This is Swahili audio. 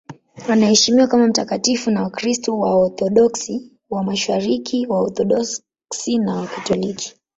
Anaheshimiwa kama mtakatifu na Wakristo Waorthodoksi wa Mashariki, Waorthodoksi na Wakatoliki.